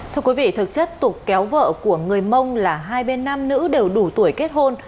thưa quý vị thực chất tục kéo vợ của người mông là hai bên nam nữ đều đủ tuổi kết hôn